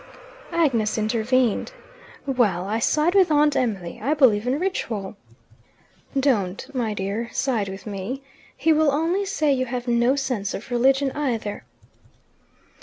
Agnes intervened. "Well, I side with Aunt Emily. I believe in ritual." "Don't, my dear, side with me. He will only say you have no sense of religion either."